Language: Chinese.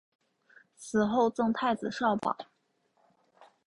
死后赠太子少保。